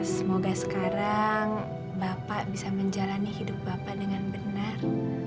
semoga sekarang bapak bisa menjalani hidup bapak dengan benar